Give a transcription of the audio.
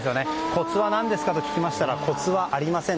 コツは何ですかと聞きましたらコツはありません。